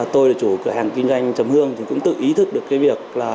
tôi là chủ cửa hàng kinh doanh trầm hương cũng tự ý thức được cái việc